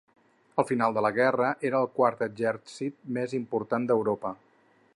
Al final de la guerra era el quart exèrcit més important d'Europa.